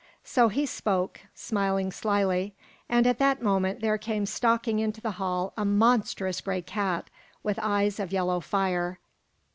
So he spoke, smiling slyly, and at that moment there came stalking into the hall a monstrous gray cat, with eyes of yellow fire.